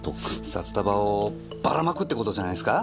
札束をバラ撒くって事じゃないですか？